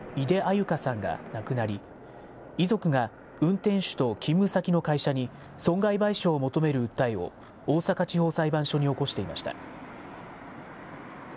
優香さんが亡くなり、遺族が運転手と勤務先の会社に損害賠償を求める訴えを、大阪地方裁判所に起こしていました。